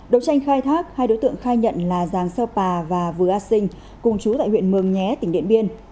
đấu tranh khai thác hai đối tượng khai nhận là giàng xeo pà và vừa a sinh cùng chú tại huyện mường nhé tỉnh điện biên